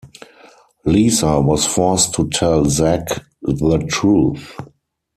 Lisa was forced to tell Zak the truth.